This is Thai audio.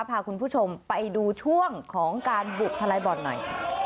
พาคุณผู้ชมไปดูช่วงของการบุกทะลายบ่อนหน่อย